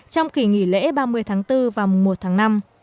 trong kỳ nghỉ lễ ba mươi tháng bốn và mùa một tháng năm